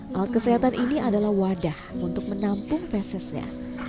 alat kesehatan ini adalah wadah untuk menampung fesisnya